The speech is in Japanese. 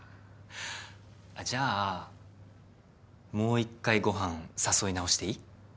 あっじゃあもう一回ご飯誘い直していい？